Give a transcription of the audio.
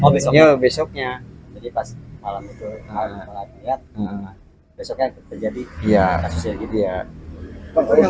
besoknya besoknya jadi pas malam itu